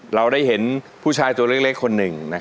เราได้เห็นผู้ชายตัวเล็กคนหนึ่ง